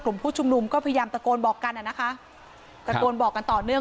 ผู้ชุมนุมก็พยายามตะโกนบอกกันอ่ะนะคะตะโกนบอกกันต่อเนื่อง